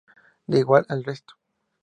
Da igual el resto.